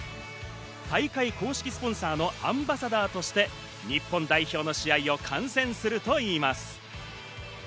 大会公式スポンサーのアンバサダーとして、日本代表の試合を観戦するといいます。